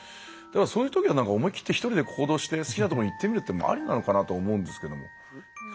そういうときは思い切って一人で行動して好きなところに行ってみるっていうのもありなのかなと思うんですけど。